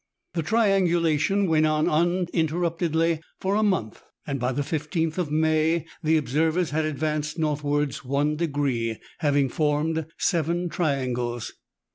The triangulation went On uninterruptedly for a month, and by the 15th of May the observers had advanced north wards i"^, having formed seven triangles.